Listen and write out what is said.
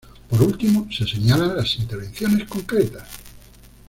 Por último, se señalan las intervenciones concretas.